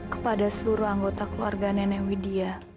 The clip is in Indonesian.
kepada seluruh anggota keluarga nenek widya